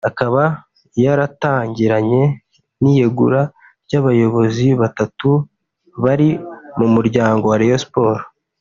akaba yaratangiranye n’iyegura ry’abayobozi batatu bari mu muryango wa Rayon Sports